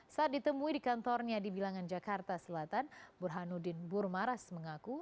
saat ditemui di kantornya di bilangan jakarta selatan burhanuddin burmaras mengaku